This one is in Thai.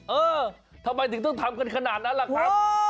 เออทำไมถึงต้องทำกันขนาดนั้นล่ะครับ